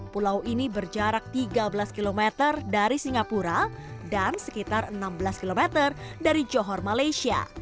pulau ini berjarak tiga belas km dari singapura dan sekitar enam belas km dari johor malaysia